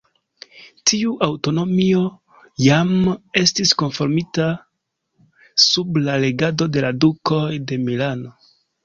Tiu aŭtonomio jam estis konfirmita sub la regado de la Dukoj de Milano.